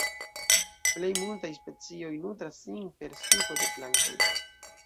Plej multaj specioj nutras sin per suko de plantoj.